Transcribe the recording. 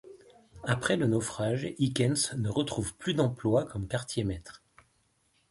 Après le naufrage, Hichens ne retrouve plus d'emploi comme quartier-maître.